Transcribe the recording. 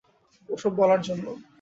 ওসব বলার জন্য।